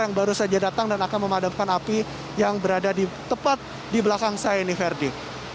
yang baru saja datang dan akan memadamkan api yang berada di tepat di belakang saya ini verdi